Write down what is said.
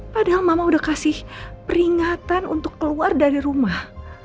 padahal mama udah kasih peringatan untuk keluar dari rumah